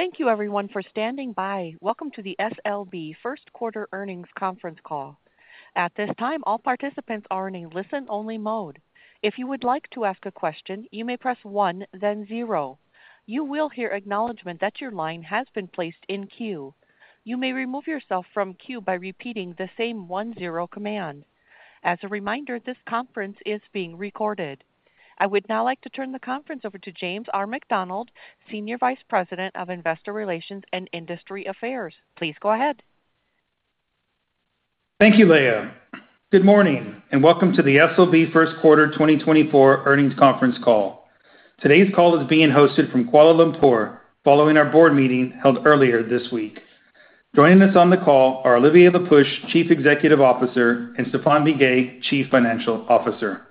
Thank you, everyone, for standing by. Welcome to the SLB Q1 Earnings Conference Call. At this time, all participants are in a listen-only mode. If you would like to ask a question, you may press one, then zero. You will hear acknowledgment that your line has been placed in queue. You may remove yourself from queue by repeating the same 1-0 command. As a reminder, this conference is being recorded. I would now like to turn the conference over to James R. McDonald, Senior Vice President of Investor Relations and Industry Affairs. Please go ahead. Thank you, Leah. Good morning and welcome to the SLB Q1 2024 Earnings Conference Call. Today's call is being hosted from Kuala Lumpur following our board meeting held earlier this week. Joining us on the call are Olivier Le Peuch, Chief Executive Officer, and Stéphane Biguet, Chief Financial Officer.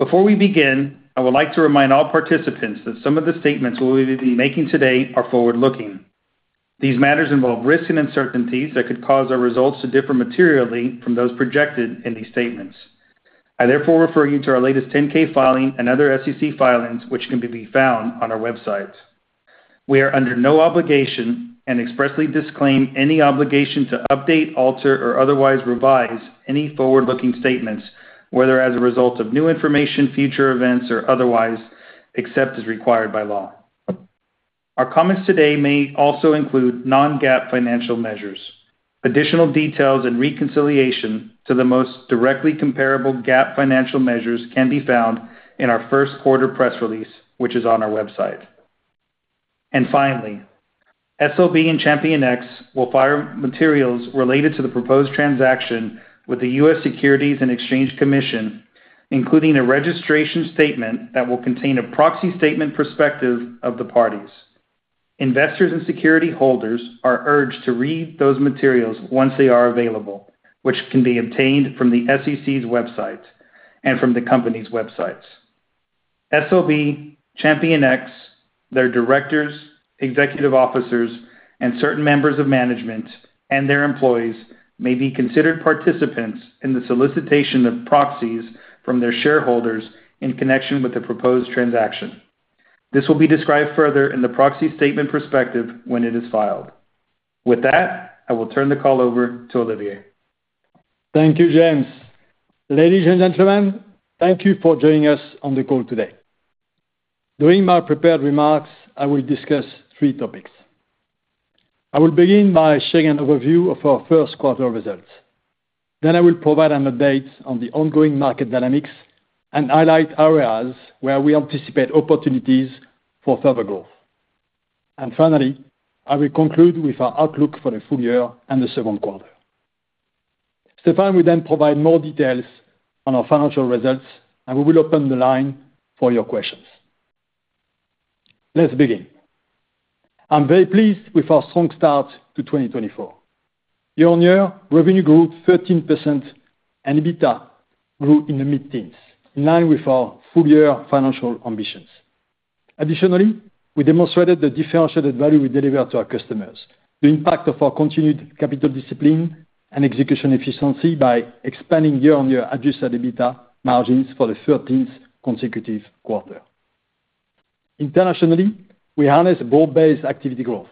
Before we begin, I would like to remind all participants that some of the statements we will be making today are forward-looking. These matters involve risk and uncertainties that could cause our results to differ materially from those projected in these statements. I therefore refer you to our latest 10-K filing and other SEC filings which can be found on our website. We are under no obligation and expressly disclaim any obligation to update, alter, or otherwise revise any forward-looking statements, whether as a result of new information, future events, or otherwise, except as required by law. Our comments today may also include non-GAAP financial measures. Additional details and reconciliation to the most directly comparable GAAP financial measures can be found in our Q1 press release, which is on our website. Finally, SLB and ChampionX will file materials related to the proposed transaction with the U.S. Securities and Exchange Commission, including a registration statement that will contain a proxy statement/prospectus of the parties. Investors and security holders are urged to read those materials once they are available, which can be obtained from the SEC's website and from the company's websites. SLB, ChampionX, their directors, executive officers, and certain members of management and their employees may be considered participants in the solicitation of proxies from their shareholders in connection with the proposed transaction. This will be described further in the proxy statement/prospectus when it is filed. With that, I will turn the call over to Olivier. Thank you, James. Ladies and gentlemen, thank you for joining us on the call today. During my prepared remarks, I will discuss three topics. I will begin by sharing an overview of our Q1 results. Then I will provide an update on the ongoing market dynamics and highlight areas where we anticipate opportunities for further growth. And finally, I will conclude with our outlook for the full year and the Q2. Stéphane will then provide more details on our financial results, and we will open the line for your questions. Let's begin. I'm very pleased with our strong start to 2024. Year-on-year, revenue grew 13%, and EBITDA grew in the mid-teens, in line with our full-year financial ambitions. Additionally, we demonstrated the differentiated value we deliver to our customers, the impact of our continued capital discipline and execution efficiency by expanding year-on-year adjusted EBITDA margins for the 13th consecutive quarter. Internationally, we harness broad-based activity growth,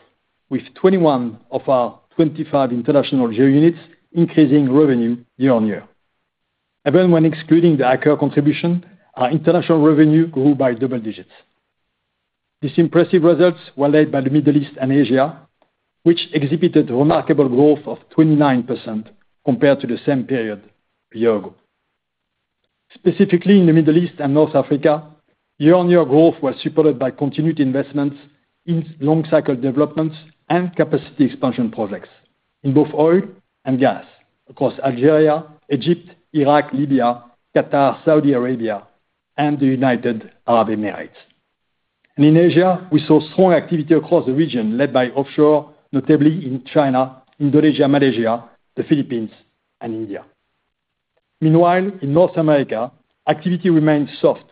with 21 of our 25 international GeoUnits increasing revenue year-over-year. Even when excluding the Aker contribution, our international revenue grew by double digits. These impressive results were led by the Middle East and Asia, which exhibited remarkable growth of 29% compared to the same period a year ago. Specifically, in the Middle East and North Africa, year-on-year growth was supported by continued investments in long-cycle developments and capacity expansion projects in both oil and gas across Algeria, Egypt, Iraq, Libya, Qatar, Saudi Arabia, and the United Arab Emirates. In Asia, we saw strong activity across the region led by offshore, notably in China, Indonesia, Malaysia, the Philippines, and India. Meanwhile, in North America, activity remained soft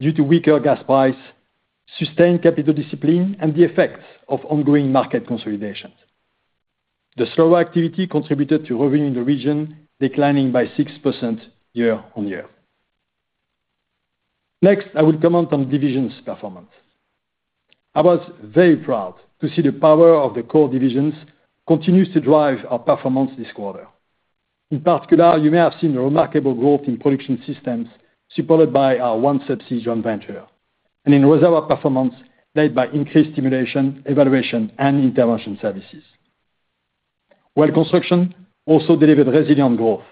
due to weaker gas prices, sustained capital discipline, and the effects of ongoing market consolidations. The slower activity contributed to revenue in the region declining by 6% year-on-year. Next, I will comment on divisions' performance. I was very proud to see the power of the core divisions continue to drive our performance this quarter. In particular, you may have seen remarkable growth in Production Systems supported by our OneSubsea joint venture and in Reservoir Performance led by increased stimulation, evaluation, and intervention services. While construction also delivered resilient growth,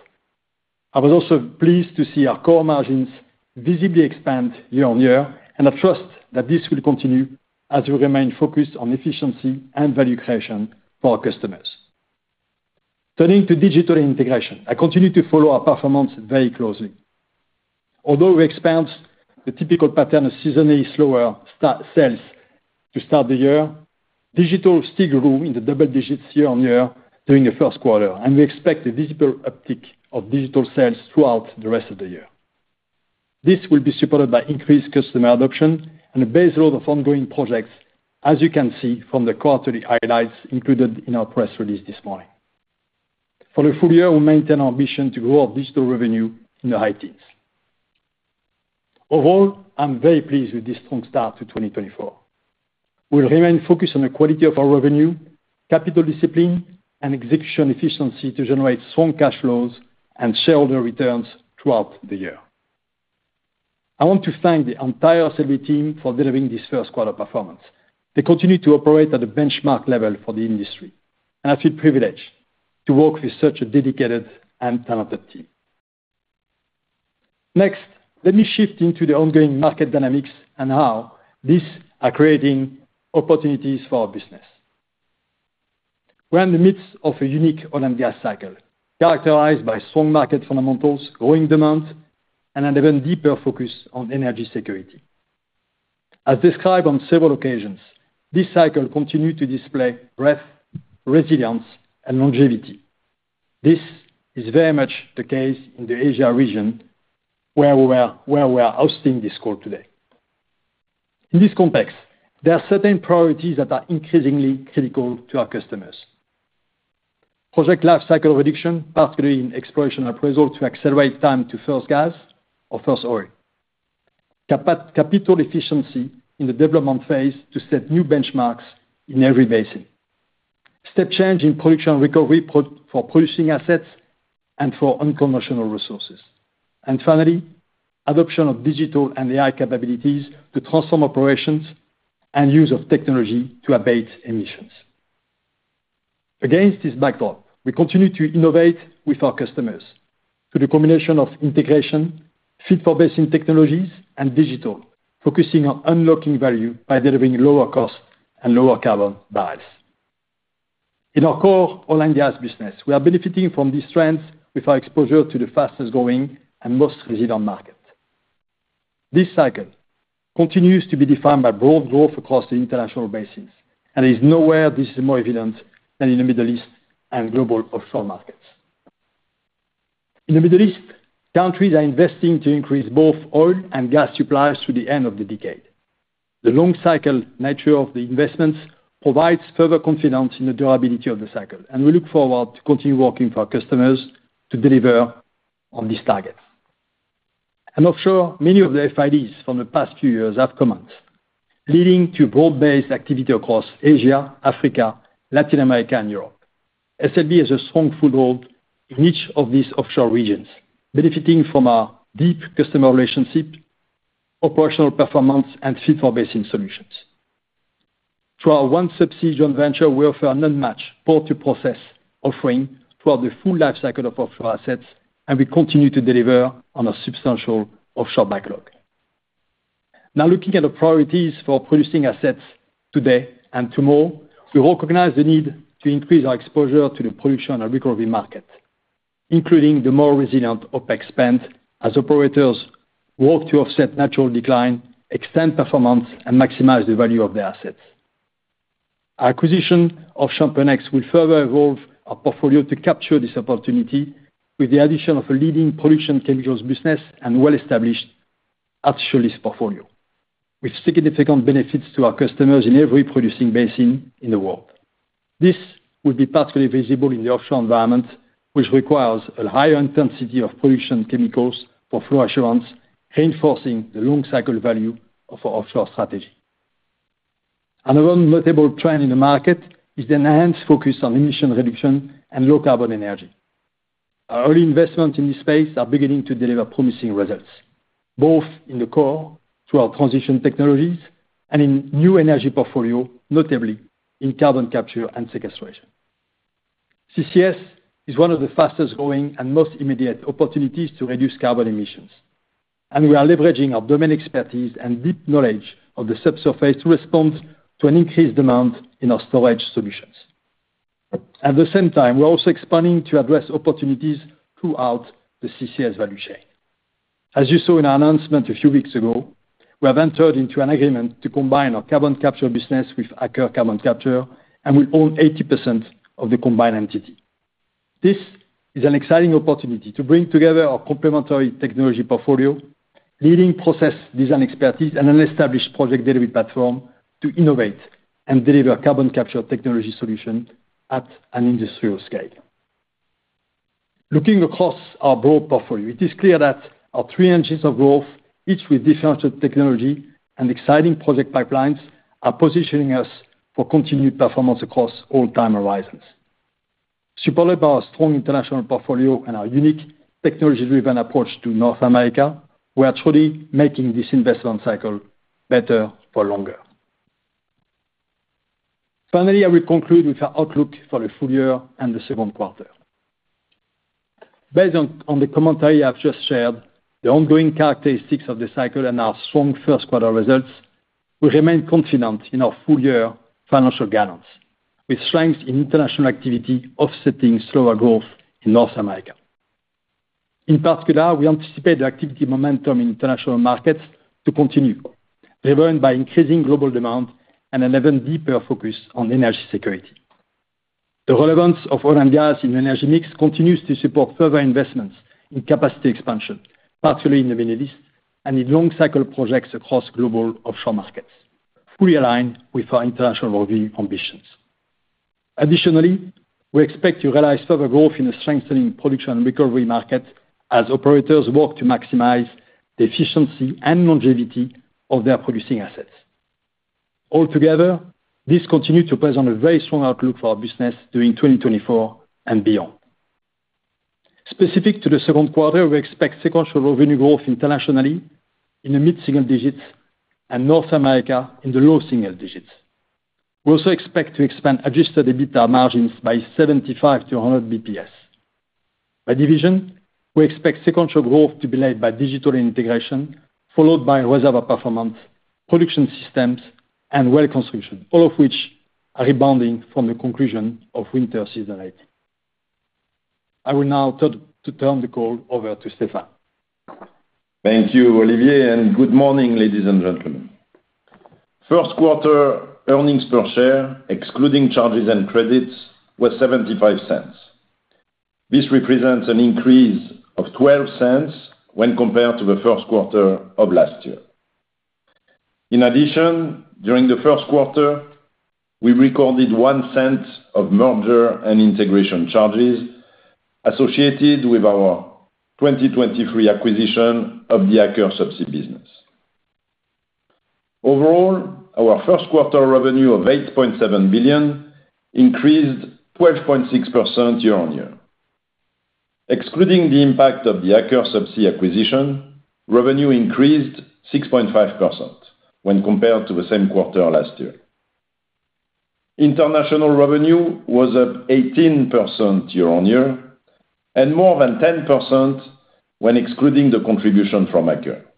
I was also pleased to see our core margins visibly expand year-on-year, and I trust that this will continue as we remain focused on efficiency and value creation for our customers. Turning to Digital & Integration, I continue to follow our performance very closely. Although we expand the typical pattern of seasonally slower sales to start the year, digital still grew in the double digits year-on-year during the Q1, and we expect a visible uptick of digital sales throughout the rest of the year. This will be supported by increased customer adoption and a base load of ongoing projects, as you can see from the quarterly highlights included in our press release this morning. For the full year, we maintain our ambition to grow our digital revenue in the high teens. Overall, I'm very pleased with this strong start to 2024. We'll remain focused on the quality of our revenue, capital discipline, and execution efficiency to generate strong cash flows and shareholder returns throughout the year. I want to thank the entire SLB team for delivering this Q1 performance. They continue to operate at a benchmark level for the industry, and I feel privileged to work with such a dedicated and talented team. Next, let me shift into the ongoing market dynamics and how these are creating opportunities for our business. We're in the midst of a unique oil and gas cycle characterized by strong market fundamentals, growing demand, and an even deeper focus on energy security. As described on several occasions, this cycle continues to display breadth, resilience, and longevity. This is very much the case in the Asia region where we are hosting this call today. In this context, there are certain priorities that are increasingly critical to our customers: project lifecycle reduction, particularly in exploration and approval to accelerate time to first gas or first oil. Capital efficiency in the development phase to set new benchmarks in every basin. Step change in production recovery for producing assets and for unconventional resources. And finally, adoption of digital and AI capabilities to transform operations and use of technology to abate emissions. Against this backdrop, we continue to innovate with our customers through the combination of integration, fit-for-basin technologies, and digital, focusing on unlocking value by delivering lower cost and lower carbon balance. In our core oil and gas business, we are benefiting from these trends with our exposure to the fastest-growing and most resilient market. This cycle continues to be defined by broad growth across the international basins, and there is nowhere this is more evident than in the Middle East and global offshore markets. In the Middle East, countries are investing to increase both oil and gas supplies through the end of the decade. The long-cycle nature of the investments provides further confidence in the durability of the cycle, and we look forward to continuing working for our customers to deliver on these targets. And offshore, many of the FIDs from the past few years have commenced, leading to broad-based activity across Asia, Africa, Latin America, and Europe. SLB has a strong foothold in each of these offshore regions, benefiting from our deep customer relationship, operational performance, and fit-for-basin solutions. Through our OneSubsea joint venture, we offer an unmatched pore-to-process offering throughout the full lifecycle of offshore assets, and we continue to deliver on a substantial offshore backlog. Now, looking at our priorities for producing assets today and tomorrow, we recognize the need to increase our exposure to the production and recovery market, including the more resilient OPEX spend as operators work to offset natural decline, extend performance, and maximize the value of their assets. Our acquisition of ChampionX will further evolve our portfolio to capture this opportunity with the addition of a leading production chemicals business and well-established artificial lift portfolio, with significant benefits to our customers in every producing basin in the world. This will be particularly visible in the offshore environment, which requires a higher intensity of production chemicals for flow assurance, reinforcing the long-cycle value of our offshore strategy. Another notable trend in the market is the enhanced focus on emission reduction and low-carbon energy. Our early investments in this space are beginning to deliver promising results, both in the core through our Transition Technologies and in New Energy portfolios, notably in carbon capture and sequestration. CCS is one of the fastest-growing and most immediate opportunities to reduce carbon emissions, and we are leveraging our domain expertise and deep knowledge of the subsurface to respond to an increased demand in our storage solutions. At the same time, we're also expanding to address opportunities throughout the CCS value chain. As you saw in our announcement a few weeks ago, we have entered into an agreement to combine our carbon capture business with Aker Carbon Capture and will own 80% of the combined entity. This is an exciting opportunity to bring together our complementary technology portfolio, leading process design expertise, and an established project delivery platform to innovate and deliver carbon capture technology solutions at an industrial scale. Looking across our broad portfolio, it is clear that our three engines of growth, each with differentiated technology and exciting project pipelines, are positioning us for continued performance across all time horizons. Supported by our strong international portfolio and our unique technology-driven approach to North America, we are truly making this investment cycle better for longer. Finally, I will conclude with our outlook for the full year and the Q2. Based on the commentary I've just shared, the ongoing characteristics of the cycle and our strong Q1 results, we remain confident in our full-year financial balance, with strength in international activity offsetting slower growth in North America. In particular, we anticipate the activity momentum in international markets to continue, driven by increasing global demand and an even deeper focus on energy security. The relevance of oil and gas in the energy mix continues to support further investments in capacity expansion, particularly in the Middle East and in long-cycle projects across global offshore markets, fully aligned with our international review ambitions. Additionally, we expect to realize further growth in the strengthening production and recovery market as operators work to maximize the efficiency and longevity of their producing assets. Altogether, this continues to present a very strong outlook for our business during 2024 and beyond. Specific to the Q2, we expect sequential revenue growth internationally in the mid-single digits and North America in the low-single digits. We also expect to expand Adjusted EBITDA margins by 75-100 basis points. By division, we expect sequential growth to be led by Digital & Integration, followed by Reservoir Performance, Production Systems, and Well Construction, all of which are rebounding from the conclusion of winter seasonality. I will now turn the call over to Stéphane. Thank you, Olivier, and good morning, ladies and gentlemen. Q1 earnings per share, excluding charges and credits, was 0.75. This represents an increase of 0.12 when compared to the Q1 of last year. In addition, during the Q1, we recorded 0.01 of merger and integration charges associated with our 2023 acquisition of the Aker subsea business. Overall, our Q1 revenue of $8.7 billion increased 12.6% year-on-year. Excluding the impact of the Aker subsea acquisition, revenue increased 6.5% when compared to the same quarter last year. International revenue was up 18% year-on-year and more than 10% when excluding the contribution from Aker Carbon Capture,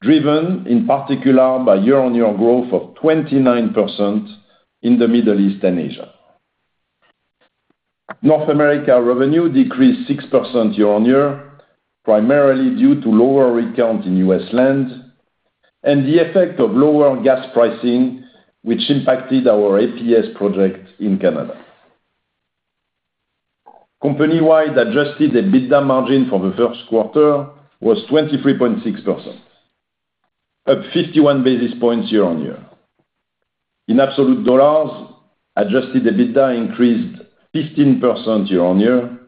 driven in particular by year-on-year growth of 29% in the Middle East and Asia. North America revenue decreased 6% year-on-year, primarily due to lower rig count in U.S. land and the effect of lower gas pricing, which impacted our APS project in Canada. Company-wide, adjusted EBITDA margin for the Q1 was 23.6%, up 51 basis points year-on-year. In absolute dollars, adjusted EBITDA increased 15% year-on-year.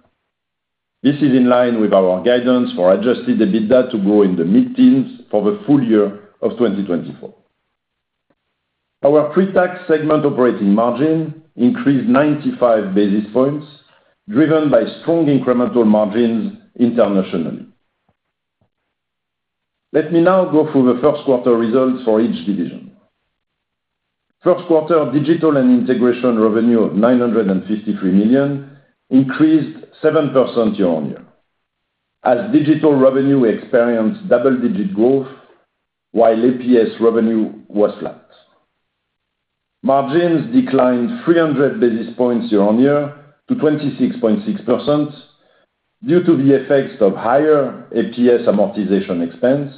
This is in line with our guidance for adjusted EBITDA to grow in the mid-teens for the full year of 2024. Our pre-tax segment operating margin increased 95 basis points, driven by strong incremental margins internationally. Let me now go through the Q1 results for each division. Q1 Digital & Integration revenue of $953 million increased 7% year-on-year as digital revenue experienced double-digit growth while APS revenue was flat. Margins declined 300 basis points year-on-year to 26.6% due to the effects of higher APS amortization expense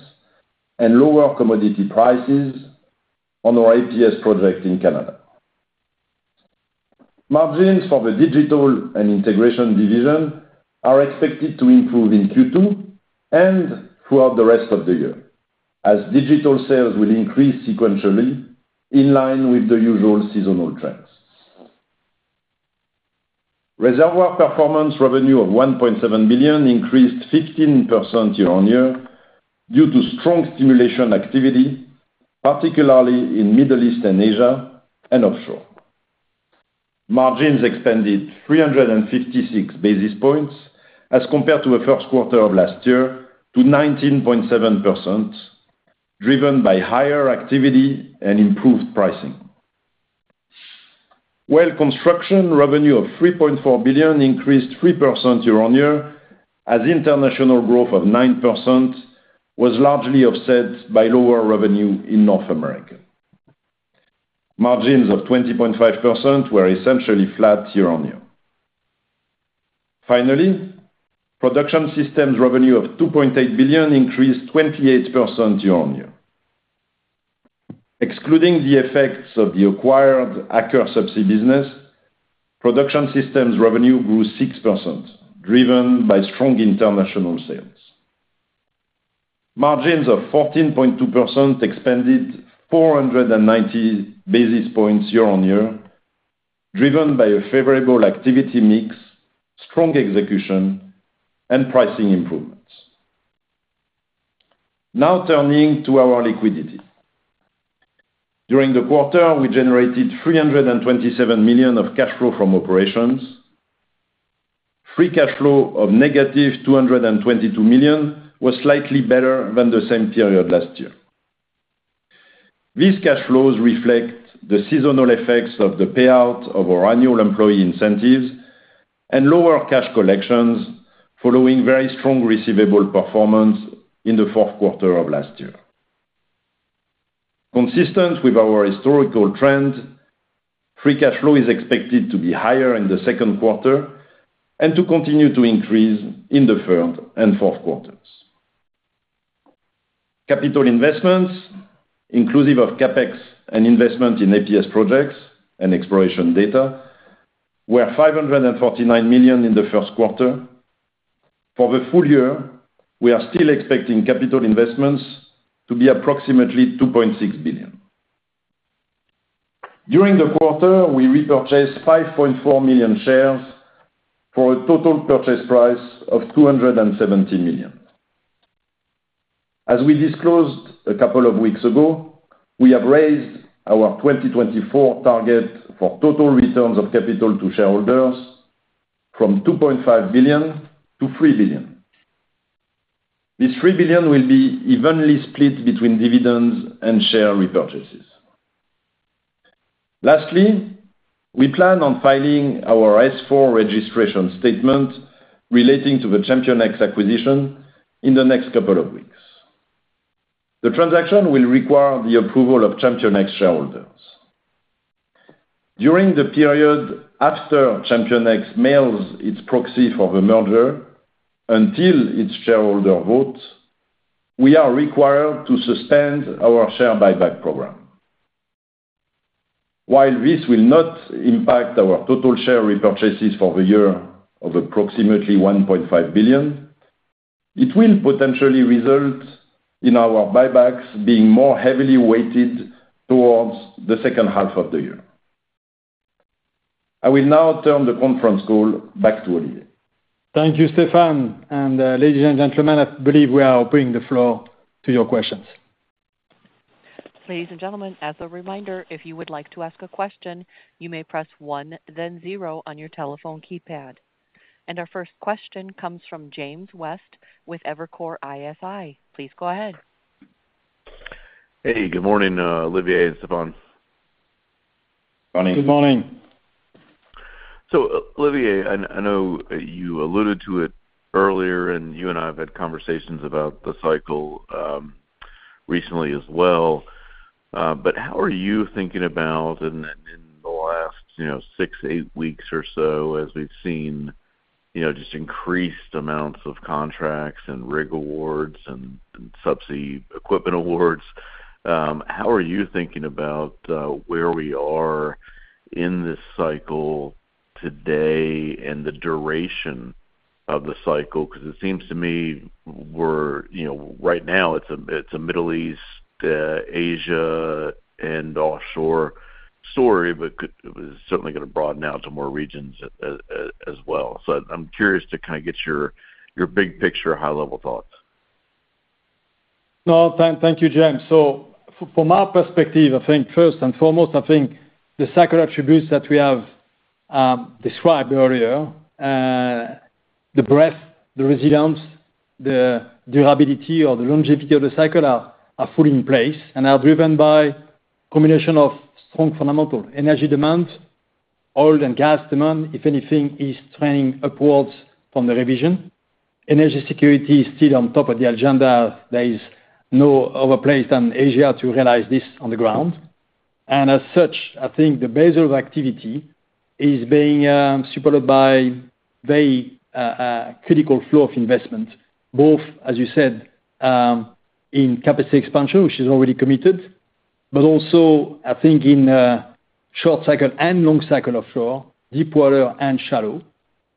and lower commodity prices on our APS project in Canada. Margins for the Digital & Integration division are expected to improve in Q2 and throughout the rest of the year as digital sales will increase sequentially in line with the usual seasonal trends. Reservoir Performance revenue of $1.7 billion increased 15% year-on-year due to strong stimulation activity, particularly in Middle East and Asia and offshore. Margins expanded 356 basis points as compared to the Q1 of last year to 19.7%, driven by higher activity and improved pricing. Well Construction revenue of $3.4 billion increased 3% year-on-year as international growth of 9% was largely offset by lower revenue in North America. Margins of 20.5% were essentially flat year-on-year. Finally, Production Systems revenue of $2.8 billion increased 28% year-on-year. Excluding the effects of the acquired Aker Carbon Capture subsidiary business, Production Systems revenue grew 6%, driven by strong international sales. Margins of 14.2% expanded 490 basis points year-on-year, driven by a favorable activity mix, strong execution, and pricing improvements. Now turning to our liquidity. During the quarter, we generated $327 million of cash flow from operations. Free cash flow of -$222 million was slightly better than the same period last year. These cash flows reflect the seasonal effects of the payout of our annual employee incentives and lower cash collections following very strong receivable performance in the Q4 of last year. Consistent with our historical trend, free cash flow is expected to be higher in the Q2 and to continue to increase in the third and fourth quarters. Capital investments, inclusive of CAPEX and investment in APS projects and exploration data, were $549 million in the Q1. For the full year, we are still expecting capital investments to be approximately $2.6 billion. During the quarter, we repurchased 5.4 million shares for a total purchase price of $270 million. As we disclosed a couple of weeks ago, we have raised our 2024 target for total returns of capital to shareholders from $2.5 billion-$3 billion. This $3 billion will be evenly split between dividends and share repurchases. Lastly, we plan on filing our S-4 registration statement relating to the ChampionX acquisition in the next couple of weeks. The transaction will require the approval of ChampionX shareholders. During the period after ChampionX mails its proxy for the merger until its shareholder vote, we are required to suspend our share buyback program. While this will not impact our total share repurchases for the year of approximately $1.5 billion, it will potentially result in our buybacks being more heavily weighted towards the second half of the year. I will now turn the conference call back to Olivier. Thank you, Stéphane. Ladies and gentlemen, I believe we are opening the floor to your questions. Ladies and gentlemen, as a reminder, if you would like to ask a question, you may press one, then zero on your telephone keypad. Our first question comes from James West with Evercore ISI. Please go ahead. Hey. Good morning, Olivier and Stéphane. Good morning. Good morning. So, Olivier, I know you alluded to it earlier, and you and I have had conversations about the cycle recently as well. But how are you thinking about in the last 6-8 weeks or so as we've seen just increased amounts of contracts and rig awards and subsea equipment awards? How are you thinking about where we are in this cycle today and the duration of the cycle? Because it seems to me right now, it's a Middle East, Asia, and offshore story, but it was certainly going to broaden out to more regions as well. So I'm curious to kind of get your big picture, high-level thoughts. No, thank you, James. So from our perspective, I think first and foremost, I think the cycle attributes that we have described earlier, the breadth, the resilience, the durability, or the longevity of the cycle are fully in place and are driven by a combination of strong fundamentals: energy demand, oil and gas demand, if anything, is trending upwards from the revision. Energy security is still on top of the agenda. There is no other place than Asia to realize this on the ground. And as such, I think the baseline of activity is being supported by a very critical flow of investment, both, as you said, in capacity expansion, which is already committed, but also, I think, in short cycle and long cycle offshore, deep water and shallow.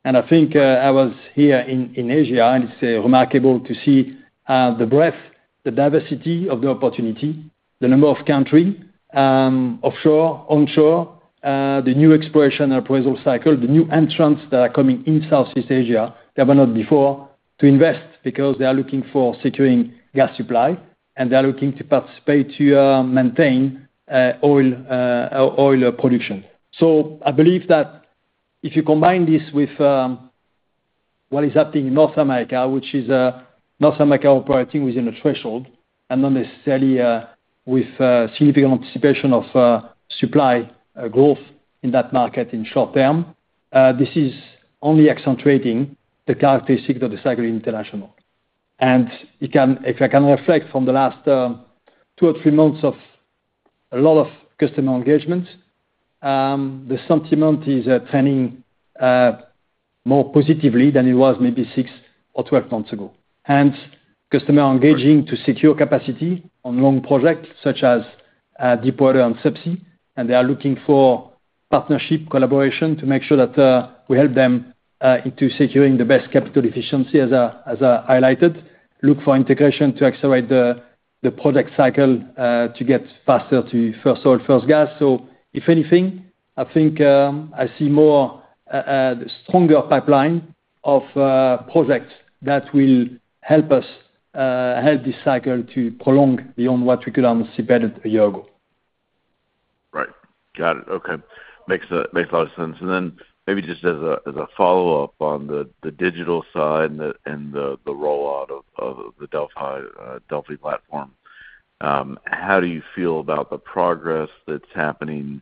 I think I was here in Asia, and it's remarkable to see the breadth, the diversity of the opportunity, the number of countries, offshore, onshore, the new exploration and appraisal cycle, the new entrants that are coming in Southeast Asia that were not before to invest because they are looking for securing gas supply, and they are looking to participate to maintain oil production. So I believe that if you combine this with what is happening in North America, which is North America operating within a threshold and not necessarily with significant anticipation of supply growth in that market in short term, this is only accentuating the characteristics of the cycle internationally. And if I can reflect from the last 2 or 3 months of a lot of customer engagement, the sentiment is trending more positively than it was maybe 6 or 12 months ago. And customers engaging to secure capacity on long projects such as deepwater and subsea, and they are looking for partnership, collaboration to make sure that we help them in securing the best capital efficiency, as I highlighted, look for integration to accelerate the project cycle to get faster to first oil, first gas. So if anything, I think I see a stronger pipeline of projects that will help us help this cycle to prolong beyond what we could anticipate a year ago. Right. Got it. Okay. Makes a lot of sense. And then maybe just as a follow-up on the digital side and the rollout of the DELFI platform, how do you feel about the progress that's happening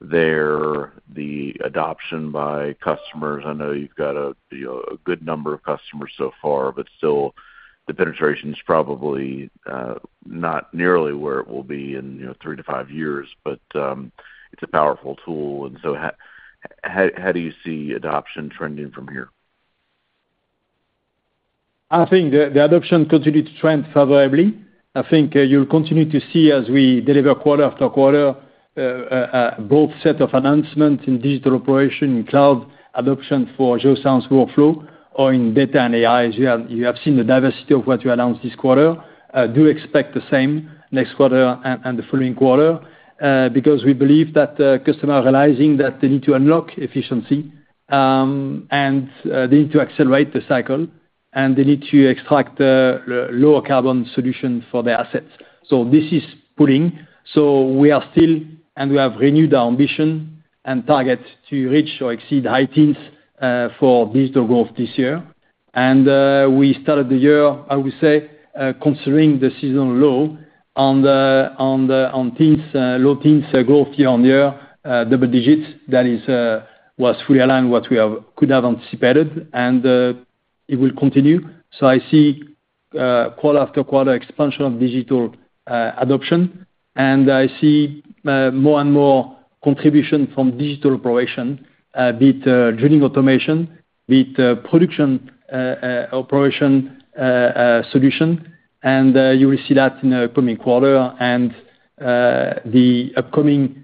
there, the adoption by customers? I know you've got a good number of customers so far, but still, the penetration is probably not nearly where it will be in 3-5 years. But it's a powerful tool. And so how do you see adoption trending from here? I think the adoption continues to trend favorably. I think you'll continue to see as we deliver quarter after quarter both sets of announcements in digital operation, in cloud adoption for Geoscience workflow, or in data and AI, as you have seen the diversity of what you announced this quarter, do expect the same next quarter and the following quarter because we believe that customers are realizing that they need to unlock efficiency, and they need to accelerate the cycle, and they need to extract lower-carbon solutions for their assets. So this is pulling. So we are still, and we have renewed our ambition and target to reach or exceed high teens for digital growth this year. And we started the year, I would say, considering the seasonal low on low teens growth year on year, double digits. That was fully aligned with what we could have anticipated, and it will continue. So I see quarter after quarter expansion of digital adoption, and I see more and more contribution from digital operation, be it drilling automation, be it production operation solution. And you will see that in the coming quarter. And the upcoming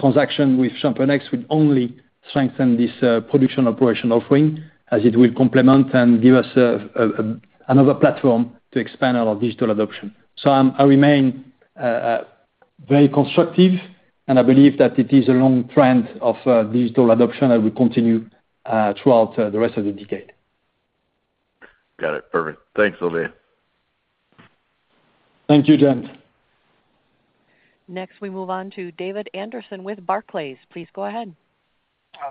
transaction with ChampionX will only strengthen this production operation offering as it will complement and give us another platform to expand our digital adoption. So I remain very constructive, and I believe that it is a long trend of digital adoption that will continue throughout the rest of the decade. Got it. Perfect. Thanks, Olivier. Thank you, James. Next, we move on to David Anderson with Barclays. Please go ahead.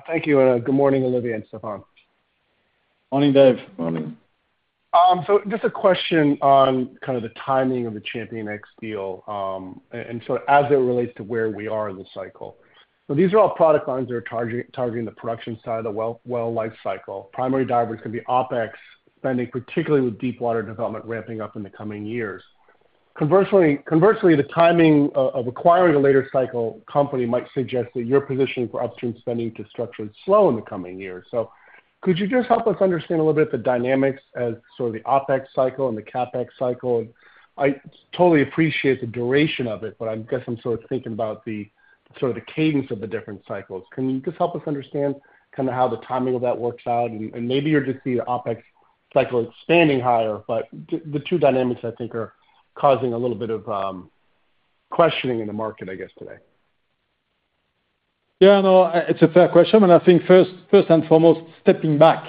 Thank you. Good morning, Olivier and Stéphane. Morning, Dave. Morning. So just a question on kind of the timing of the ChampionX deal and sort of as it relates to where we are in the cycle. So these are all product lines that are targeting the production side of the well life cycle. Primary drivers can be OPEX spending, particularly with deepwater development ramping up in the coming years. Conversely, the timing of acquiring a later cycle company might suggest that your position for upstream spending to structure is slow in the coming years. So could you just help us understand a little bit of the dynamics as sort of the OPEX cycle and the CAPEX cycle? I totally appreciate the duration of it, but I guess I'm sort of thinking about sort of the cadence of the different cycles. Can you just help us understand kind of how the timing of that works out? And maybe you'll just see the OPEX cycle expanding higher, but the two dynamics, I think, are causing a little bit of questioning in the market, I guess, today. Yeah. No, it's a fair question. And I think first and foremost, stepping back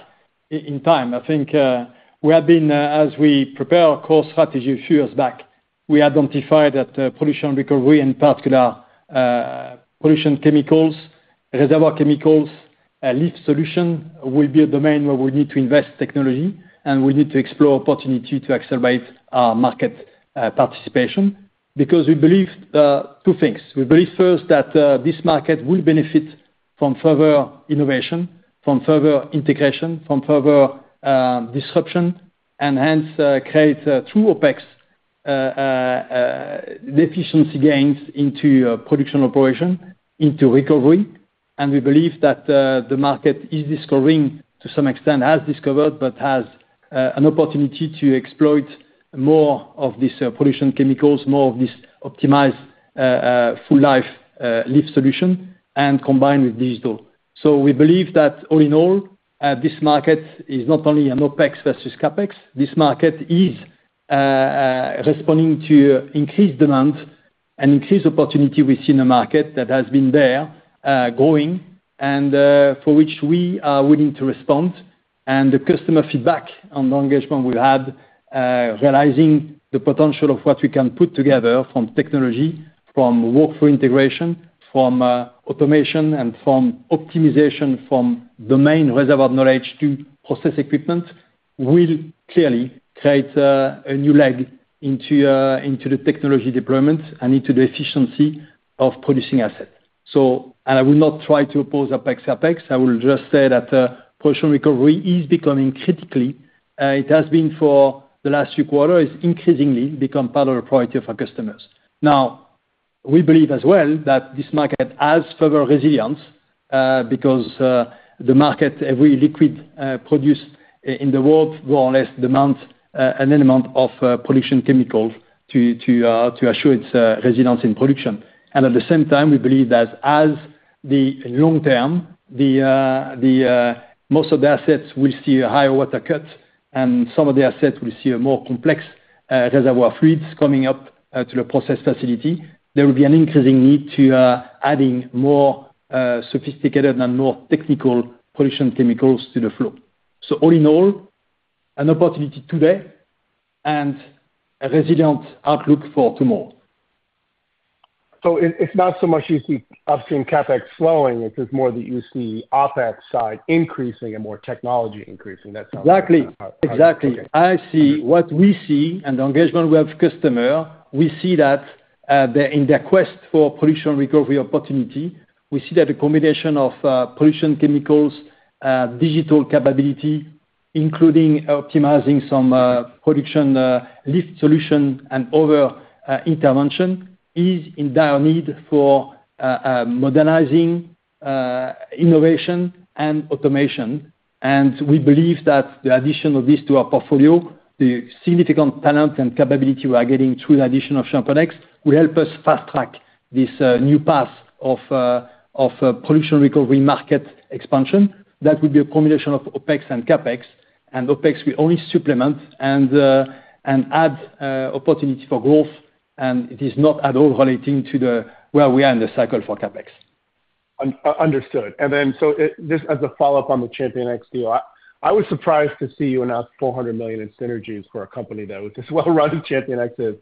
in time, I think we have been as we prepare our core strategy a few years back, we identified that production recovery, in particular, production chemicals, reservoir chemicals, lift solution will be a domain where we need to invest technology, and we need to explore opportunity to accelerate our market participation because we believe two things. We believe first that this market will benefit from further innovation, from further integration, from further disruption, and hence create true OPEX efficiency gains into production operation, into recovery. We believe that the market is discovering to some extent, has discovered, but has an opportunity to exploit more of these production chemicals, more of this optimized full lifecycle lift solution, and combine with digital. We believe that all in all, this market is not only an OPEX versus CAPEX. This market is responding to increased demand and increased opportunity we see in the market that has been there growing and for which we are willing to respond. And the customer feedback and the engagement we've had, realizing the potential of what we can put together from technology, from workflow integration, from automation, and from optimization from domain reservoir knowledge to process equipment, will clearly create a new leg into the technology deployment and into the efficiency of producing assets. And I will not try to oppose OPEX, CAPEX. I will just say that production recovery is becoming critical. It has been for the last few quarters, increasingly, become part of the priority of our customers. Now, we believe as well that this market has further resilience because the market, every liquid produced in the world, more or less demands an element of production chemicals to assure its resilience in production. And at the same time, we believe that as the long term, most of the assets will see a higher water cut, and some of the assets will see more complex reservoir fluids coming up to the process facility. There will be an increasing need to add more sophisticated and more technical production chemicals to the flow. So all in all, an opportunity today and a resilient outlook for tomorrow. So it's not so much you see upstream CAPEX flowing. It's just more that you see OPEX side increasing and more technology increasing. That sounds right. Exactly. Exactly. I see what we see and the engagement we have with customers. We see that in their quest for production recovery opportunity, we see that a combination of production chemicals, digital capability, including optimizing some production lift solution and other interventions, is in dire need for modernizing, innovation, and automation. We believe that the addition of this to our portfolio, the significant talent and capability we are getting through the addition of ChampionX, will help us fast-track this new path of production recovery market expansion. That would be a combination of OPEX and CAPEX. OPEX will only supplement and add opportunity for growth. It is not at all relating to where we are in the cycle for CAPEX. Understood. Just as a follow-up on the ChampionX deal, I was surprised to see you announce $400 million in synergies for a company that was as well run as ChampionX is.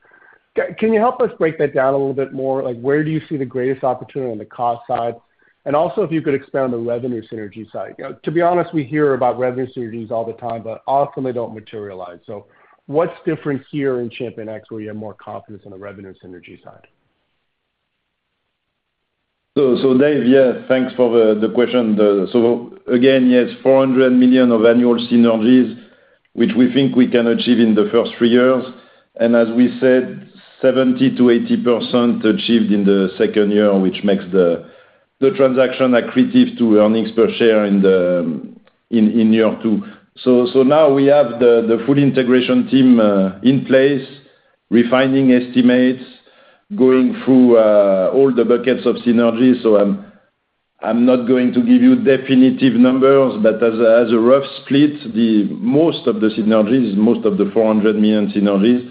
Can you help us break that down a little bit more? Where do you see the greatest opportunity on the cost side? Also, if you could expand on the revenue synergy side. To be honest, we hear about revenue synergies all the time, but often, they don't materialize. So what's different here in ChampionX where you have more confidence in the revenue synergy side? So Dave, yes, thanks for the question. So again, yes, $400 million of annual synergies, which we think we can achieve in the first three years. And as we said, 70%-80% achieved in the second year, which makes the transaction accretive to earnings per share in year two. So now we have the full integration team in place, refining estimates, going through all the buckets of synergies. So I'm not going to give you definitive numbers, but as a rough split, most of the synergies, most of the $400 million synergies,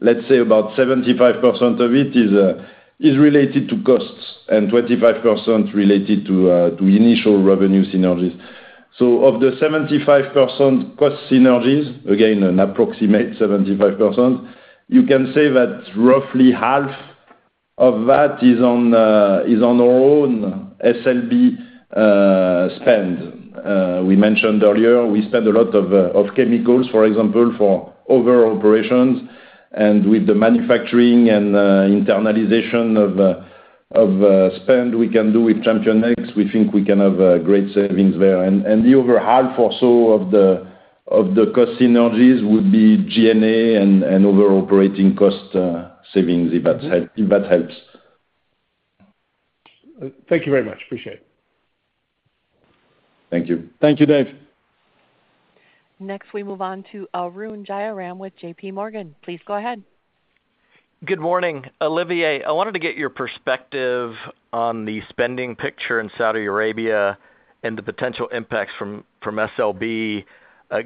let's say about 75% of it is related to costs and 25% related to initial revenue synergies. So of the 75% cost synergies, again, an approximate 75%, you can say that roughly half of that is on our own SLB spend. We mentioned earlier, we spend a lot of chemicals, for example, for overall operations. And with the manufacturing and internalization of spend we can do with ChampionX, we think we can have great savings there. And the over half or so of the cost synergies would be G&A and overall operating cost savings, if that helps. Thank you very much. Appreciate it. Thank you. Thank you, Dave. Next, we move on to Arun Jayaram with JPMorgan. Please go ahead. Good morning, Olivier. I wanted to get your perspective on the spending picture in Saudi Arabia and the potential impacts from SLB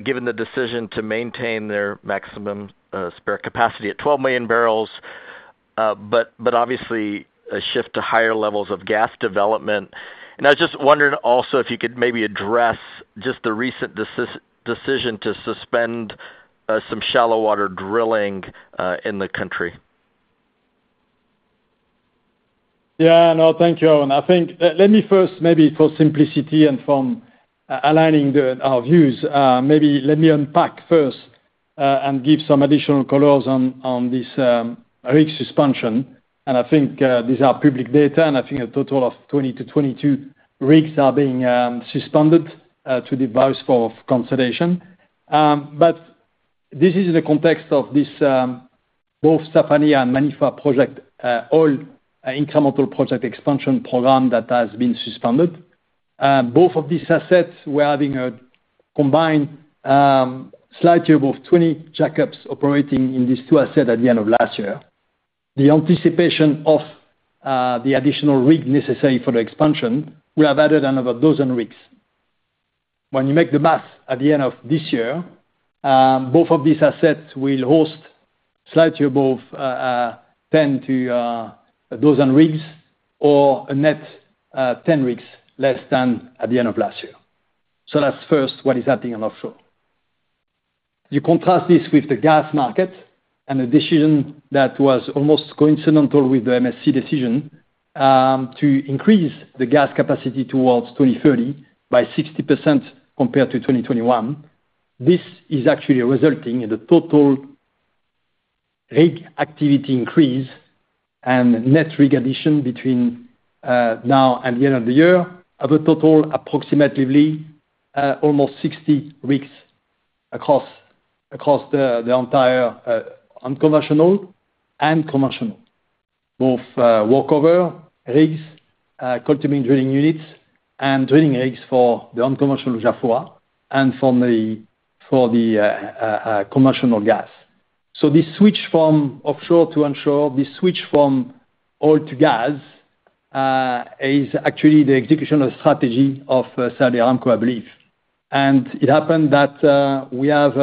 given the decision to maintain their maximum spare capacity at 12 million barrels, but obviously, a shift to higher levels of gas development. I was just wondering also if you could maybe address just the recent decision to suspend some shallow water drilling in the country. Yeah. No, thank you, Arun. Let me first, maybe for simplicity and for aligning our views, maybe let me unpack first and give some additional colors on this rig suspension. I think these are public data. I think a total of 20-22 rigs are being suspended to devise for consolidation. But this is in the context of both Safaniyah and Manifa project, all incremental project expansion program that has been suspended. Both of these assets, we're having a combined fleet total of 20 jackups operating in these two assets at the end of last year. In anticipation of the additional rig necessary for the expansion, we have added another 12 rigs. When you do the math at the end of this year, both of these assets will host fleet total of 10-12 rigs or a net 10 rigs less than at the end of last year. So that's, first, what is happening on offshore. You contrast this with the gas market and the decision that was almost coincidental with the MSC decision to increase the gas capacity toward 2030 by 60% compared to 2021. This is actually resulting in the total rig activity increase and net rig addition between now and the end of the year of a total approximately almost 60 rigs across the entire unconventional and conventional, both workover rigs, coiled tubing drilling units, and drilling rigs for the unconventional Jafurah and for the conventional gas. So this switch from offshore to onshore, this switch from oil to gas is actually the execution of the strategy of Saudi Aramco, I believe. And it happened that we have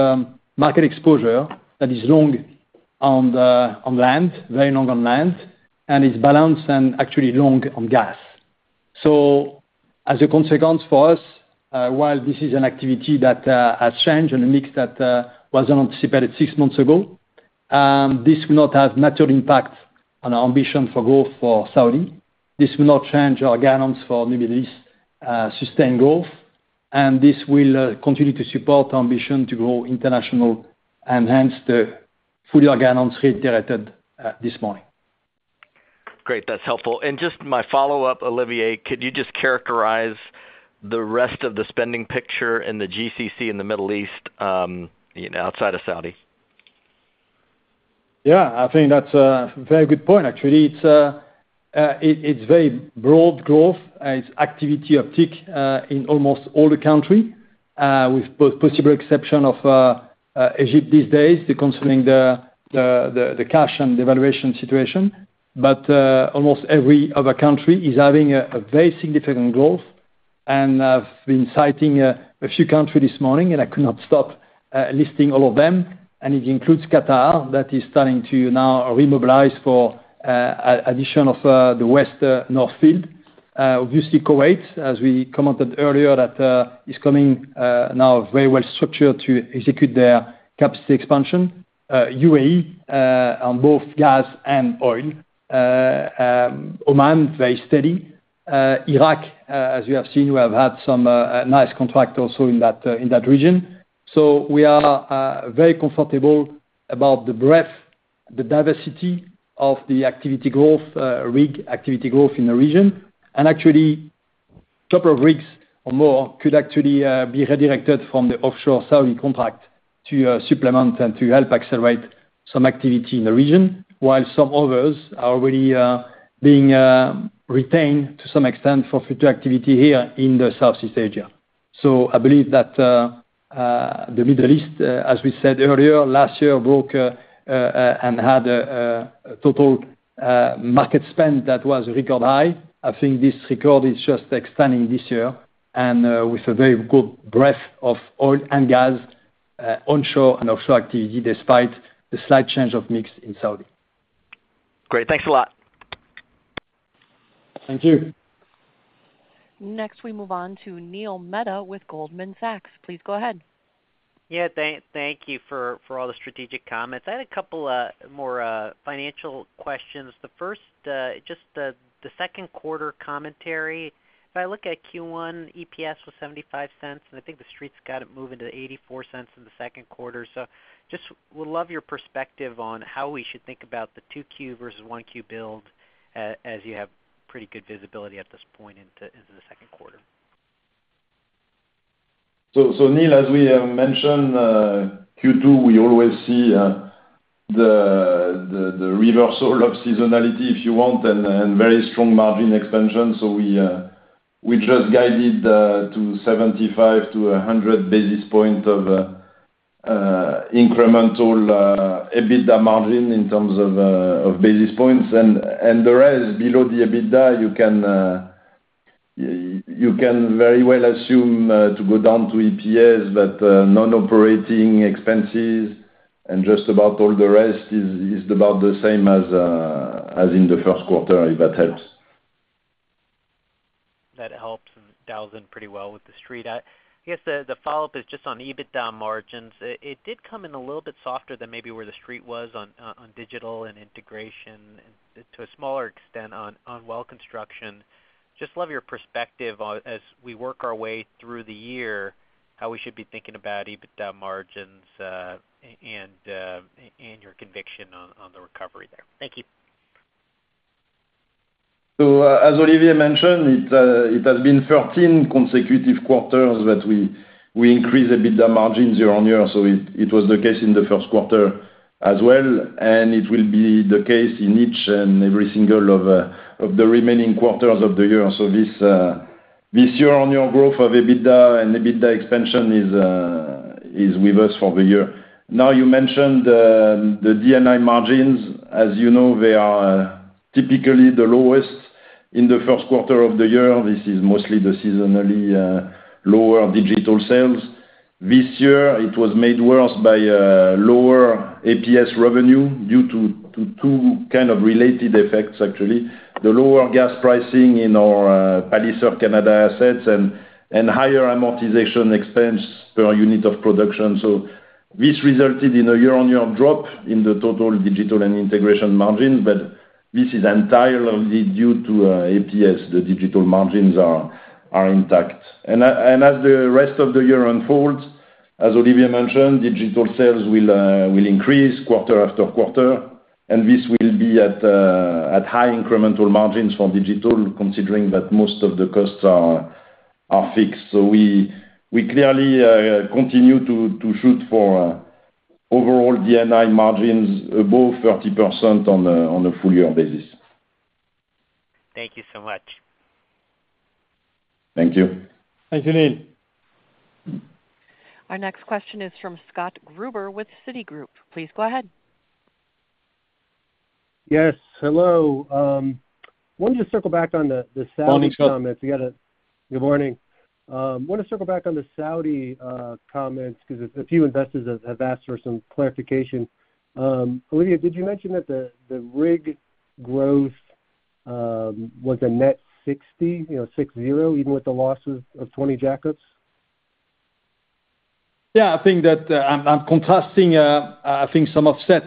market exposure that is long on land, very long on land, and is balanced and actually long on gas. So as a consequence for us, while this is an activity that has changed and a mix that was unanticipated six months ago, this will not have a major impact on our ambition for growth for Saudi. This will not change our guarantees for Middle East sustained growth. And this will continue to support our ambition to grow international and hence the full year guidance reiterated this morning. Great. That's helpful. And just my follow-up, Olivier, could you just characterize the rest of the spending picture in the GCC in the Middle East outside of Saudi? Yeah. I think that's a very good point, actually. It's very broad growth. It's activity outlook in almost all the countries, with possible exception of Egypt these days considering the cash and the valuation situation. But almost every other country is having a very significant growth. And I've been citing a few countries this morning, and I could not stop listing all of them. And it includes Qatar that is starting to now remobilize for addition of the North Field West. Obviously, Kuwait, as we commented earlier, that is coming now very well structured to execute their capacity expansion. UAE on both gas and oil. Oman, very steady. Iraq, as you have seen, we have had some nice contract also in that region. So we are very comfortable about the breadth, the diversity of the activity growth, rig activity growth in the region. And actually, a couple of rigs or more could actually be redirected from the offshore Saudi contract to supplement and to help accelerate some activity in the region, while some others are already being retained to some extent for future activity here in the Southeast Asia. So I believe that the Middle East, as we said earlier, last year broke and had a total market spend that was a record high. I think this record is just extending this year and with a very good breadth of oil and gas onshore and offshore activity despite the slight change of mix in Saudi. Great. Thanks a lot. Thank you. Next, we move on to Neil Mehta with Goldman Sachs. Please go ahead. Yeah. Thank you for all the strategic comments. I had a couple more financial questions. The first, just the second quarter commentary. If I look at Q1, EPS was $0.75, and I think the street got it moving to $0.84 in the second quarter. So just would love your perspective on how we should think about the Q2 versus Q1 build as you have pretty good visibility at this point into the second quarter. So Neil, as we mentioned, Q2, we always see the reversal of seasonality, if you want, and very strong margin expansion. So we just guided to 75-100 basis points of incremental EBITDA margin in terms of basis points. And the rest, below the EBITDA, you can very well assume to go down to EPS, but non-operating expenses and just about all the rest is about the same as in the Q1, if that helps. That helps dovetail pretty well with the street. I guess the follow-up is just on EBITDA margins. It did come in a little bit softer than maybe where the street was on Digital & Integration to a smaller extent on Well Construction. Just love your perspective as we work our way through the year, how we should be thinking about EBITDA margins and your conviction on the recovery there. Thank you. So as Olivier mentioned, it has been 13 consecutive quarters that we increase EBITDA margins year-over-year. So it was the case in the first quarter as well. And it will be the case in each and every single of the remaining quarters of the year. So this year-on-year growth of EBITDA and EBITDA expansion is with us for the year. Now, you mentioned the D&I margins. As you know, they are typically the lowest in the Q1 of the year. This is mostly the seasonally lower digital sales. This year, it was made worse by lower APS revenue due to two kind of related effects, actually. The lower gas pricing in our Palliser Canada assets and higher amortization expense per unit of production. So this resulted in a year-on-year drop in the total Digital & Integration margins. But this is entirely due to APS. The digital margins are intact. As the rest of the year unfolds, as Olivier mentioned, digital sales will increase quarter-after-quarter. This will be at high incremental margins for digital, considering that most of the costs are fixed. So we clearly continue to shoot for overall D&I margins above 30% on a full-year basis. Thank you so much. Thank you. Thank you, Neil. Our next question is from Scott Gruber with Citigroup. Please go ahead. Yes. Hello. I wanted to circle back on the Saudi comments. Good morning. I want to circle back on the Saudi comments because a few investors have asked for some clarification. Olivier, did you mention that the rig growth was a net 60, 60, even with the loss of 20 jackups? Yeah. I think that I'm contrasting, I think, some offset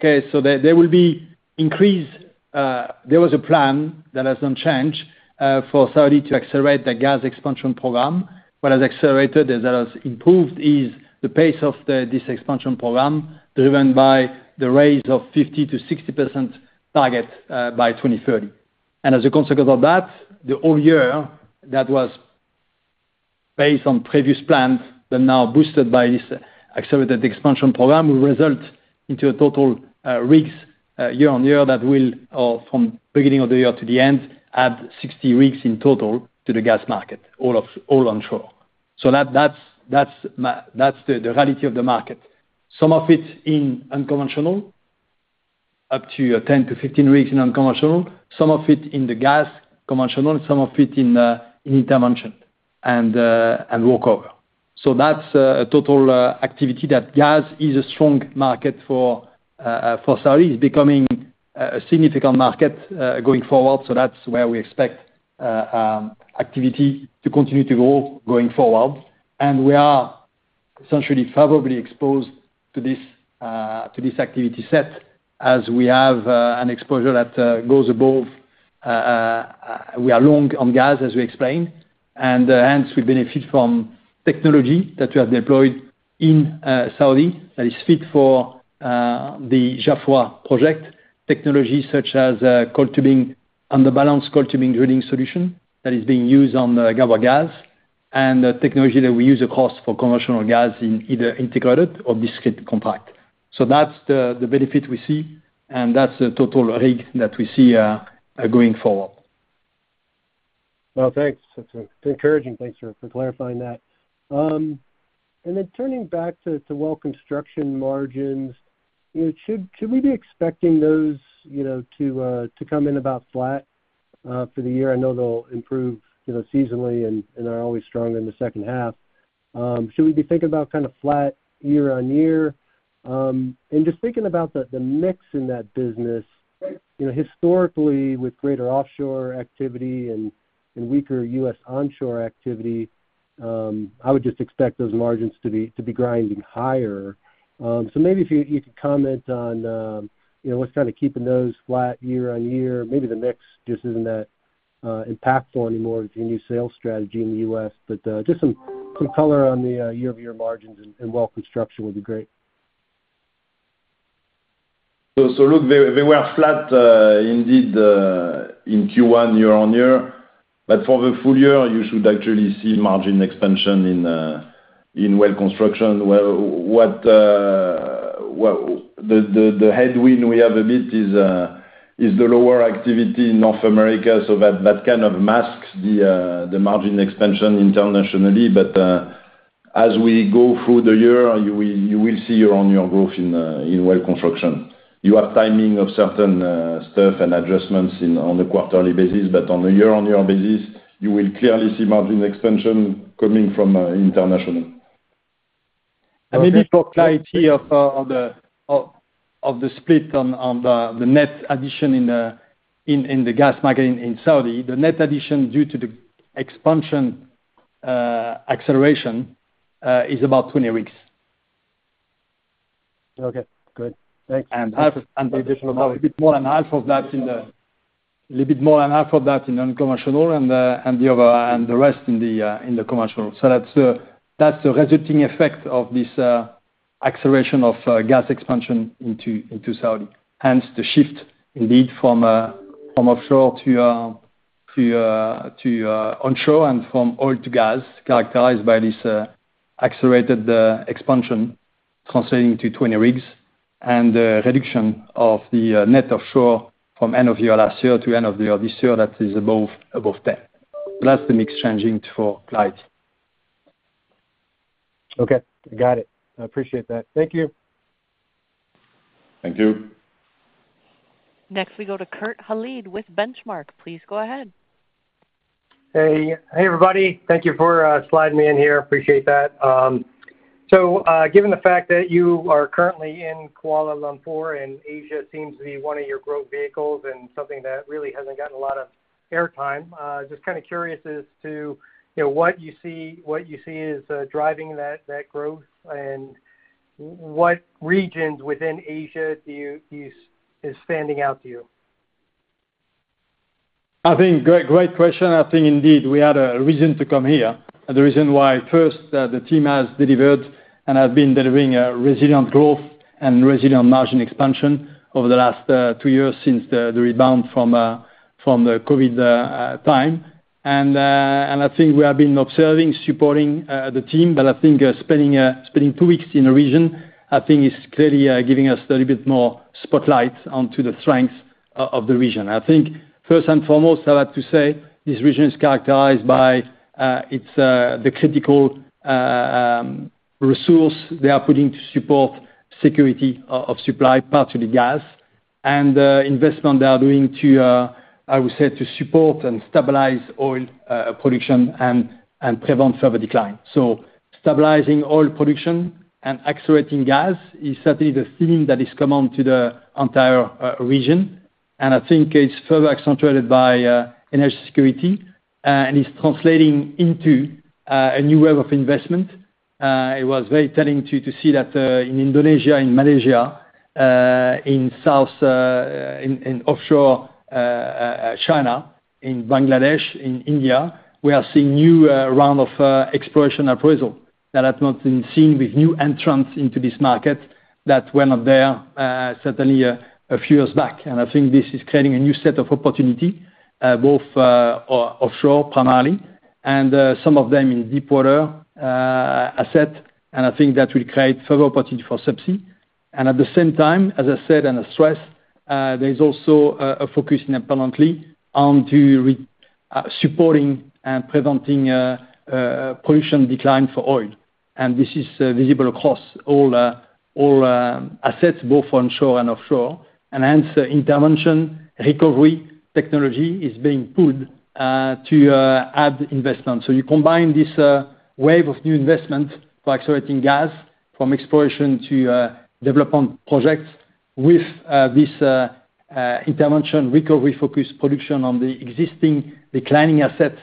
case. There will be increase. There was a plan that has not changed for Saudi to accelerate the gas expansion program. What has accelerated, that has improved, is the pace of this expansion program driven by the raise of 50%-60% target by 2030. As a consequence of that, the whole year that was based on previous plans but now boosted by this accelerated expansion program will result into a total rigs year-on-year that will, from the beginning of the year to the end, add 60 rigs in total to the gas market, all onshore. That's the reality of the market, some of it in unconventional, up to 10-15 rigs in unconventional, some of it in the gas conventional, and some of it in intervention and workover. That's a total activity that gas is a strong market for Saudi. It's becoming a significant market going forward. So that's where we expect activity to continue to grow going forward. And we are essentially favorably exposed to this activity set as we have an exposure that goes above we are long on gas, as we explained. And hence, we benefit from technology that we have deployed in Saudi that is fit for the Jafurah project, technology such as underbalanced coiled tubing drilling solution that is being used on Ghawar gas and technology that we use across for conventional gas in either integrated or discrete contract. So that's the benefit we see. And that's a total rig that we see going forward. Well, thanks. It's encouraging. Thanks for clarifying that. And then turning back to Well Construction margins, should we be expecting those to come in about flat for the year? I know they'll improve seasonally and are always strong in the second half. Should we be thinking about kind of flat year-over-year? And just thinking about the mix in that business, historically, with greater offshore activity and weaker U.S. onshore activity, I would just expect those margins to be grinding higher. So maybe if you could comment on what's kind of keeping those flat year-over-year, maybe the mix just isn't that impactful anymore with your new sales strategy in the U.S. But just some color on the year-over-year margins and Well Construction would be great. So look, they were flat indeed in Q1 year-over-year. But for the full year, you should actually see margin expansion in Well Construction. The headwind we have a bit is the lower activity in North America. So that kind of masks the margin expansion internationally. But as we go through the year, you will see year-on-year growth in Well Construction. You have timing of certain stuff and adjustments on a quarterly basis. But on a year-on-year basis, you will clearly see margin expansion coming from internationally. And maybe for clarity of the split on the net addition in the gas market in Saudi, the net addition due to the expansion acceleration is about 20 rigs. Okay. Good. Thanks. And a little bit more than half of that in the unconventional and the rest in the commercial. So that's the resulting effect of this acceleration of gas expansion into Saudi. Hence, the shift indeed from offshore to onshore and from oil to gas characterized by this accelerated expansion translating to 20 rigs and reduction of the net offshore from end of year last year to end of year this year that is above 10. So that's the mix changing for clarity. Okay. Got it. I appreciate that. Thank you. Thank you. Next, we go to Kurt Hallead with Benchmark. Please go ahead. Hey, everybody. Thank you for sliding me in here. Appreciate that. So given the fact that you are currently in Kuala Lumpur and Asia seems to be one of your growth vehicles and something that really hasn't gotten a lot of airtime, just kind of curious as to what you see is driving that growth and what regions within Asia is standing out to you? I think great question. I think indeed we had a reason to come here. The reason why, first, the team has delivered and has been delivering resilient growth and resilient margin expansion over the last two years since the rebound from the COVID time. I think we have been observing, supporting the team. I think spending two weeks in the region, I think, is clearly giving us a little bit more spotlight onto the strengths of the region. I think, first and foremost, I have to say this region is characterized by the critical resource they are putting to support security of supply, particularly gas, and investment they are doing, I would say, to support and stabilize oil production and prevent further decline. Stabilizing oil production and accelerating gas is certainly the theme that is common to the entire region. And I think it's further accentuated by energy security and is translating into a new wave of investment. It was very telling to see that in Indonesia, in Malaysia, in offshore China, in Bangladesh, in India, we are seeing a new round of exploration approvals that has not been seen with new entrants into this market that were not there certainly a few years back. And I think this is creating a new set of opportunities, both offshore primarily and some of them in deepwater assets. And I think that will create further opportunity for subsea. And at the same time, as I said and I stressed, there is also a focus independently on supporting and preventing production decline for oil. And this is visible across all assets, both onshore and offshore. And hence, intervention, recovery technologies are being pulled to add investment. So you combine this wave of new investment for accelerating gas, from exploration to development projects, with this intervention recovery-focused production on the existing declining assets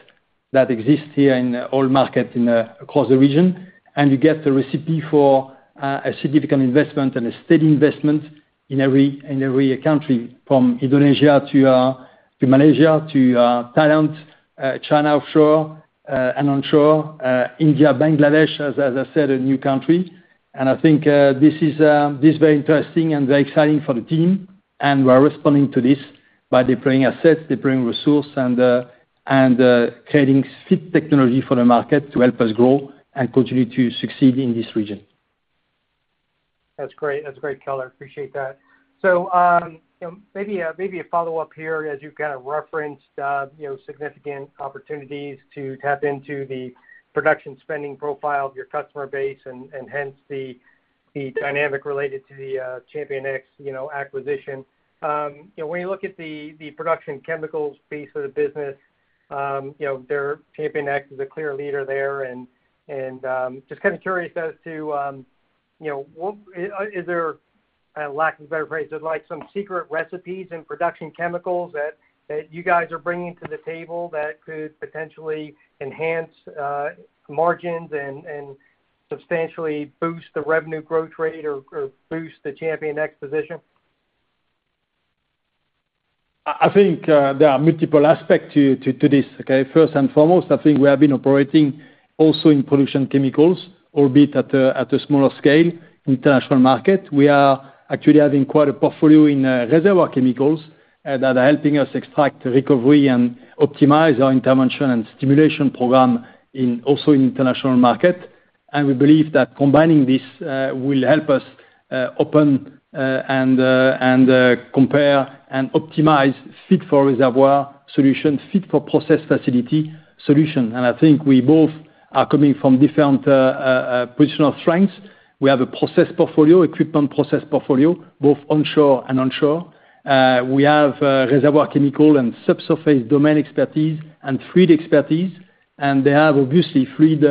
that exist here in oil market across the region. And you get the recipe for a significant investment and a steady investment in every country, from Indonesia to Malaysia to Thailand, China offshore and onshore, India, Bangladesh, as I said, a new country. And I think this is very interesting and very exciting for the team. And we are responding to this by deploying assets, deploying resources, and creating fit technology for the market to help us grow and continue to succeed in this region. That's great. That's great, Olivier. Appreciate that. So maybe a follow-up here, as you've kind of referenced, significant opportunities to tap into the production spending profile of your customer base and hence the dynamic related to the ChampionX acquisition. When you look at the production chemicals base of the business, ChampionX is a clear leader there. And just kind of curious as to is there, lack of a better phrase, some secret recipes in production chemicals that you guys are bringing to the table that could potentially enhance margins and substantially boost the revenue growth rate or boost the ChampionX position? I think there are multiple aspects to this. Okay? First and foremost, I think we have been operating also in production chemicals, albeit at a smaller scale, international market. We are actually having quite a portfolio in reservoir chemicals that are helping us extract recovery and optimize our intervention and stimulation program also in international market. We believe that combining this will help us open and compare and optimize fit for reservoir solution, fit for process facility solution. I think we both are coming from different positional strengths. We have a process portfolio, equipment process portfolio, both onshore and offshore. We have reservoir chemical and subsurface domain expertise and fluid expertise. They have, obviously, fluid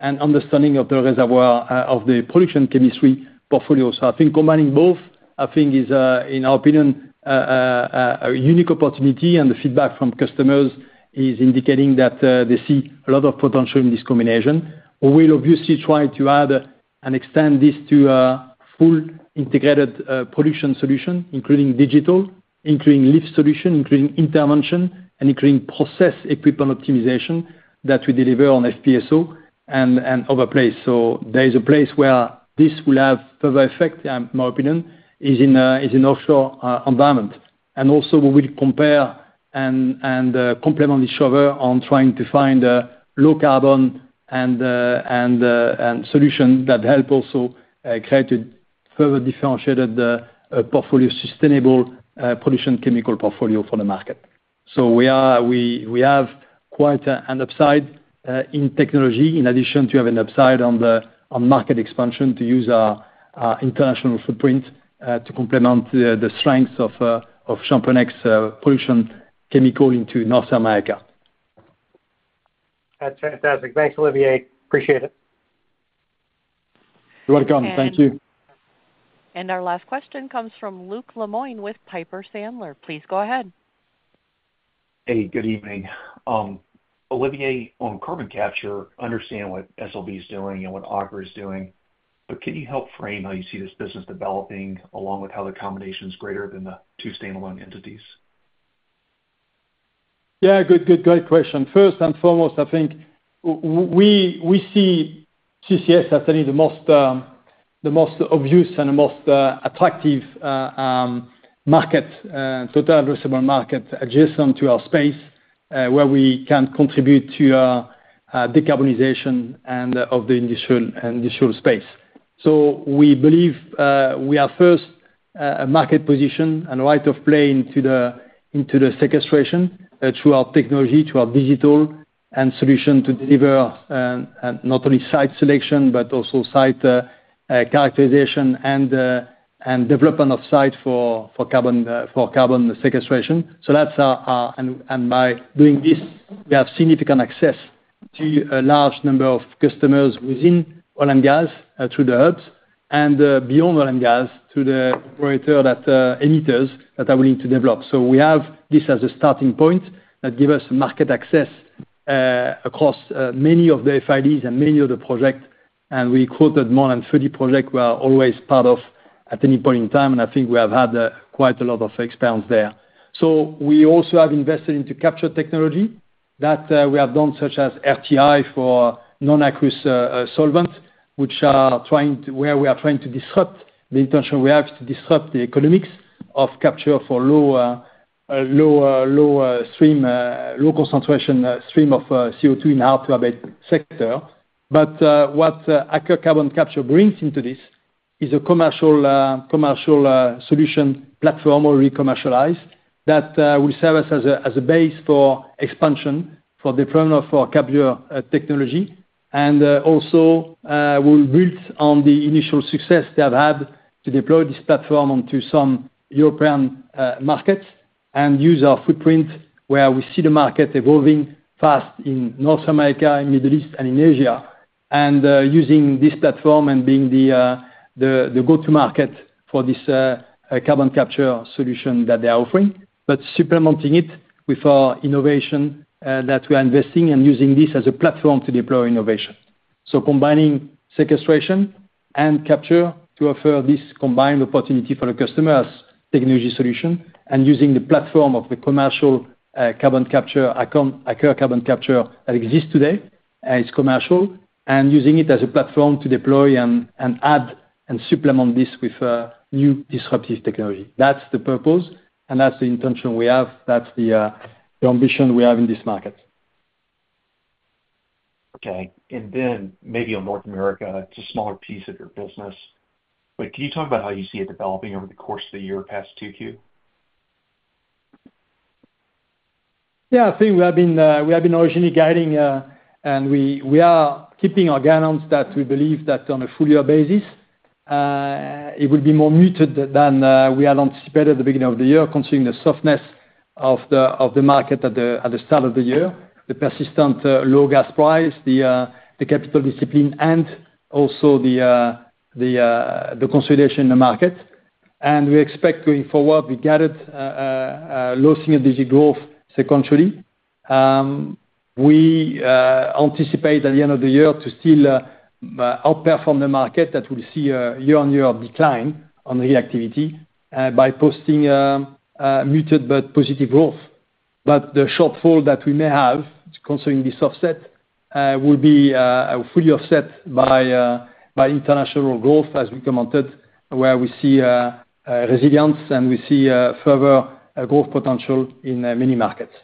and understanding of the reservoir of the production chemistry portfolio. So I think combining both, I think is, in our opinion, a unique opportunity. The feedback from customers is indicating that they see a lot of potential in this combination. We will, obviously, try to add and extend this to a full integrated production solution, including digital, including lift solution, including intervention, and including process equipment optimization that we deliver on FPSO and other place. So there is a place where this will have further effect, in my opinion, is in offshore environment. And also, we will compete and complement each other on trying to find a low-carbon solution that helps also create a further differentiated portfolio, sustainable production chemical portfolio for the market. So we have quite an upside in technology, in addition to having an upside on market expansion to use our international footprint to complement the strengths of ChampionX production chemical into North America. That's fantastic. Thanks, Olivier. Appreciate it. You're welcome. Thank you. And our last question comes from Luke Lemoine with Piper Sandler. Please go ahead. Hey, good evening. Olivier, on carbon capture, I understand what SLB is doing and what Aker Carbon Capture is doing. But can you help frame how you see this business developing along with how the combination is greater than the two standalone entities? Yeah. Good, good, great question. First and foremost, I think we see CCS as certainly the most obvious and the most attractive market, total addressable market adjacent to our space where we can contribute to decarbonization of the industrial space. So we believe we are, first, a market position and right of play into the sequestration through our technology, through our digital solution to deliver not only site selection but also site characterization and development of site for carbon sequestration. So that's our and by doing this, we have significant access to a large number of customers within oil and gas through the hubs and beyond oil and gas through the operators that emitters that are willing to develop. So we have this as a starting point that gives us market access across many of the FIDs and many of the projects. And we quoted more than 30 projects we are always part of at any point in time. And I think we have had quite a lot of experience there. So we also have invested into capture technology that we have done, such as RTI for non-aqueous solvents, which are trying to where we are trying to disrupt the intention we have is to disrupt the economics of capture for low-stream, low-concentration stream of CO2 in hard-to-abate sector. What Aker Carbon Capture brings into this is a commercial solution platform, already commercialized, that will serve us as a base for expansion, for deployment of our capture technology. And also, we'll build on the initial success they have had to deploy this platform onto some European markets and use our footprint where we see the market evolving fast in North America, in the Middle East, and in Asia, and using this platform and being the go-to market for this carbon capture solution that they are offering, but supplementing it with our innovation that we are investing and using this as a platform to deploy innovation. Combining sequestration and capture to offer this combined opportunity for the customer as technology solution and using the platform of the commercial carbon capture, Aker Carbon Capture, that exists today and is commercial, and using it as a platform to deploy and add and supplement this with new disruptive technology. That's the purpose. That's the intention we have. That's the ambition we have in this market. Okay. Then maybe on North America, it's a smaller piece of your business. Can you talk about how you see it developing over the course of the year past Q2? Yeah. I think we have been originally guiding. We are keeping our guidance that we believe that on a full-year basis, it will be more muted than we had anticipated at the beginning of the year, considering the softness of the market at the start of the year, the persistent low gas price, the capital discipline, and also the consolidation in the market. We expect going forward, we gathered low single-digit growth sequentially. We anticipate at the end of the year to still outperform the market that will see year-on-year decline on activity by posting muted but positive growth. The shortfall that we may have concerning this offset will be fully offset by international growth, as we commented, where we see resilience and we see further growth potential in many markets.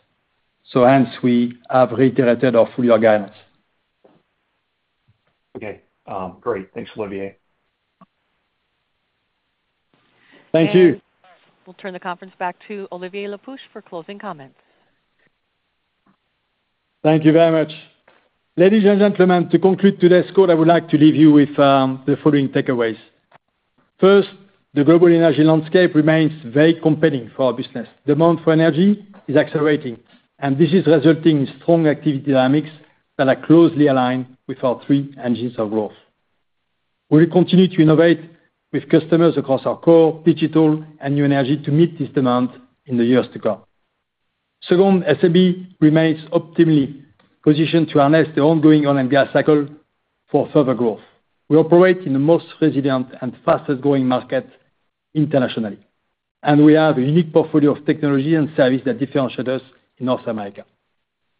Hence, we have reiterated our full-year guidance. Okay. Great. Thanks, Olivier. Thank you. We'll turn the conference back to Olivier Le Peuch for closing comments. Thank you very much. Ladies and gentlemen, to conclude today's call, I would like to leave you with the following takeaways. First, the global energy landscape remains very competitive for our business. Demand for energy is accelerating. This is resulting in strong activity dynamics that are closely aligned with our three engines of growth. We will continue to innovate with customers across our Core, Digital, and New Energy to meet this demand in the years to come. Second, SLB remains optimally positioned to harness the ongoing oil and gas cycle for further growth. We operate in the most resilient and fastest-growing market internationally. We have a unique portfolio of technology and service that differentiates us in North America.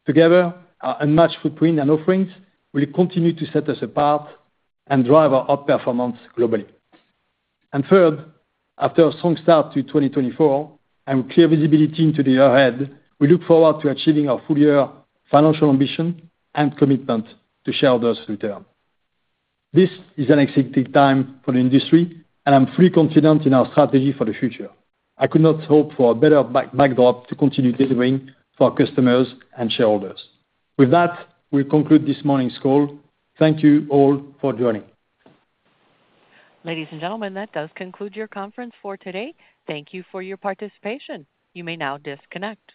Together, our unmatched footprint and offerings will continue to set us apart and drive our outperformance globally. And third, after a strong start to 2024 and clear visibility into the year ahead, we look forward to achieving our full-year financial ambition and commitment to shareholders' return. This is an exciting time for the industry. And I'm fully confident in our strategy for the future. I could not hope for a better backdrop to continue delivering for our customers and shareholders. With that, we'll conclude this morning's call. Thank you all for joining. Ladies and gentlemen, that does conclude your conference for today. Thank you for your participation. You may now disconnect.